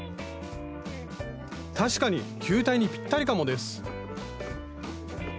確かに球体にぴったりかもです